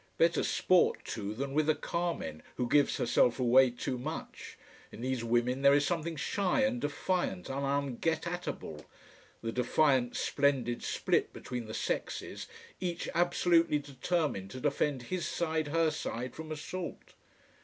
Better sport too than with a Carmen, who gives herself away too much, In these women there is something shy and defiant and un get atable. The defiant, splendid split between the sexes, each absolutely determined to defend his side, her side, from assault.